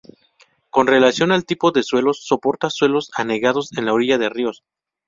Con relación al tipo de suelos, soporta suelos anegados, en la orilla de ríos.